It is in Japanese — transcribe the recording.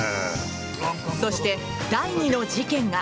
そして第２の事件が。